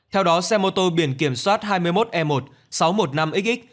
theo đó xe mô tô biển kiểm soát hai mươi một e một sáu trăm một mươi năm xx